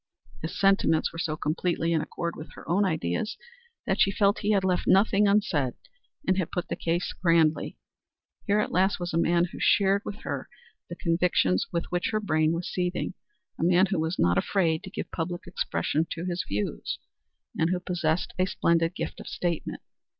His sentiments were so completely in accord with her own ideas that she felt he had left nothing unsaid, and had put the case grandly. Here at last was a man who shared with her the convictions with which her brain was seething a man who was not afraid to give public expression to his views, and who possessed a splendid gift of statement.